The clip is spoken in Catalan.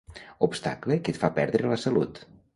Obstacle que et fa perdre la salut.